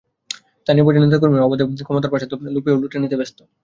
স্থানীয় পর্যায়ে নেতা কর্মীরা অবাধে ক্ষমতার প্রসাদ লুফে ও লুটে নিতে ব্যস্ত।